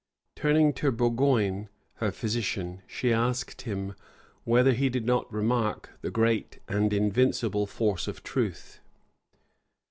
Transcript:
Turning to Burgoin, her physician, she asked him, whether he did not remark the great and invincible force of truth.